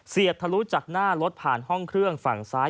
บททะลุจากหน้ารถผ่านห้องเครื่องฝั่งซ้าย